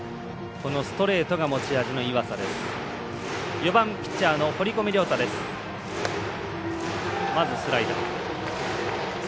そのストレートが持ち味の岩佐です。